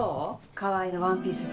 川合のワンピース姿。